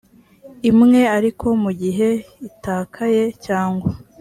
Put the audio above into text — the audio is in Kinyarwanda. imwe ariko mu gihe itakaye cyangwa